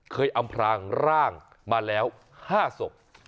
อำพลางร่างมาแล้ว๕ศพ